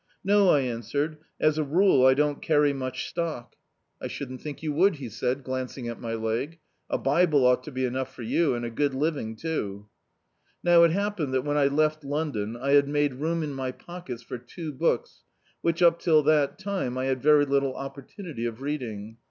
"No," I answered, "as a rule I don't carry much stock." Diyiizcdtv Google On the Downright "I shouldn't think 70U would," he said, glancing at my Ic^ "a bible ought to be enough for you, and a good living too." Now it happened that when I left London, I had made room in my pockets for two books which, up till that time, I had very little opportunity of reading.